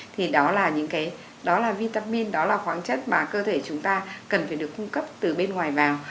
thì đó là vitamin đó là khoáng chất mà cơ thể chúng ta cần phải được cung cấp từ bên ngoài vào